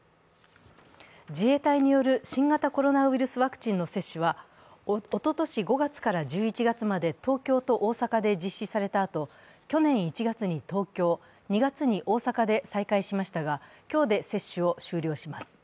自衛隊による新型コロナウイルスワクチンの接種はおととし５月から１１月まで東京と大阪で実施されたあと、去年１月に東京、２月に大阪で再開しましたが今日で接種を終了します。